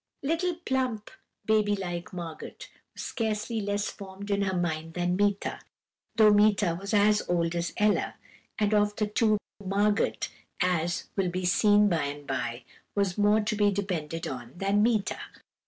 "Little plump baby like Margot was scarcely less formed in her mind than Meeta, though Meeta was as old as Ella: and of the two, Margot, as will be seen by and by, was more to be depended on than Meeta.